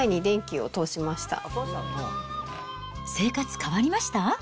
生活変わりました？